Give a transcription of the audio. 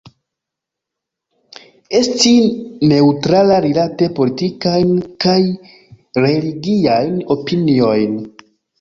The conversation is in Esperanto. Esti neŭtrala rilate politikajn kaj religiajn opiniojn.